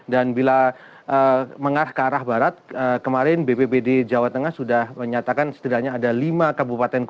dan bila mengarah ke arah barat kemarin bppd jawa tengah sudah menyatakan setidaknya ada lima kabupaten kota yang terimbas abu vulkanik